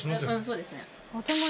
そうですね。